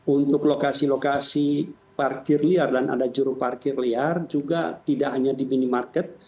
untuk lokasi lokasi parkir liar dan ada juru parkir liar juga tidak hanya di minimarket